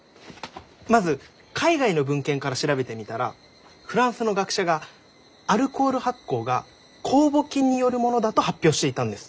まず海外の文献から調べてみたらフランスの学者がアルコール発酵が酵母菌によるものだと発表していたんです。